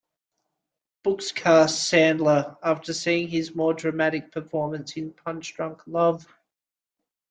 Brooks cast Sandler after seeing his more dramatic performance in "Punch-Drunk Love".